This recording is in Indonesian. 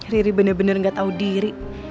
riri bener bener gak tau diri